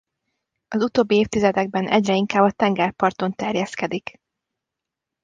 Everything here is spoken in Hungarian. Az utóbbi évtizedekben egyre inkább a tengerparton terjeszkedik.